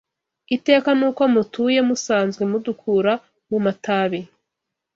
Iteka n’uko mutuye Musanzwe mudukura mu matabe